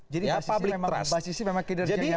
jadi basisi memang kinerjanya